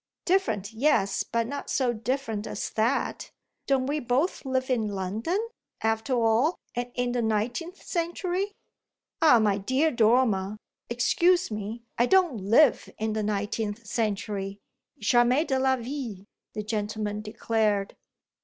"Different, yes, but not so different as that. Don't we both live in London, after all, and in the nineteenth century?" "Ah my dear Dormer, excuse me: I don't live in the nineteenth century. Jamais de la vie!" the gentleman declared.